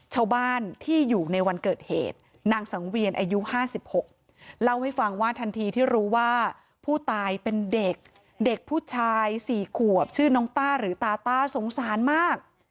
ชาวบ้านที่อยู่ในวันเกิดเหตุนางสังเวียนอายุ๕๖เล่าให้ฟังว่าทันทีที่รู้ว่าผู้ตายเป็นเด็กเด็กผู้ชาย๔ขวบชื่อน้องต้าหรือตาต้าสงสารมาก